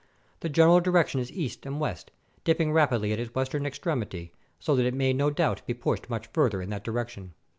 The general direction is east and west, dipping rapidly at its western extremity, so that it may no doubt be pushed much farther in that direction.